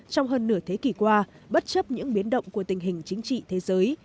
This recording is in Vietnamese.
trong hơn nửa thế kỷ qua bất chấp những biến động của tình hình chính trị thế giới